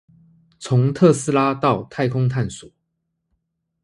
從特斯拉到太空探索